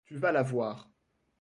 Tu vas la voir.